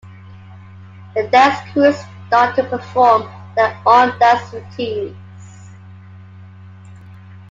The Dance Crews start to perform their own dance routines.